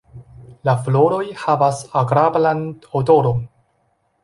La floroj havas agrablan odoron.